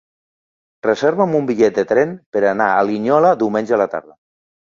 Reserva'm un bitllet de tren per anar a Linyola diumenge a la tarda.